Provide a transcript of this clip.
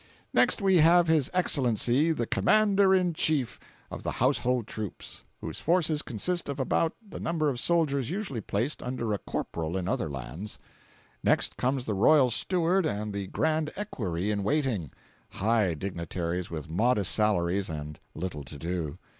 Next we have his Excellency the Commander in chief of the Household Troops, whose forces consist of about the number of soldiers usually placed under a corporal in other lands. Next comes the royal Steward and the Grand Equerry in Waiting—high dignitaries with modest salaries and little to do.